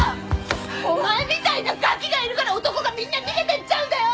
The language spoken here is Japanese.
お前みたいなガキがいるから男がみんな逃げていっちゃうんだよ！